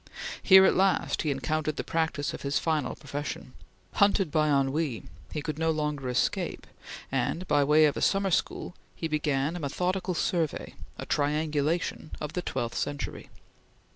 Here at last he entered the practice of his final profession. Hunted by ennui, he could no longer escape, and, by way of a summer school, he began a methodical survey a triangulation of the twelfth century.